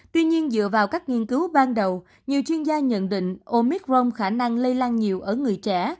tuy nhiên dựa vào các nghiên cứu ban đầu nhiều chuyên gia nhận định omic rong khả năng lây lan nhiều ở người trẻ